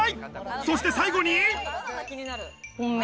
そして最後に！